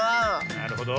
なるほど。